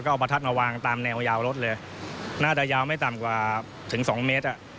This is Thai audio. เอาประทัดมาวางตามแนวยาวรถเลยน่าจะยาวไม่ต่ำกว่าถึงสองเมตรอ่ะ